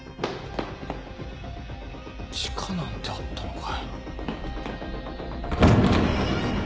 地下なんてあったのか。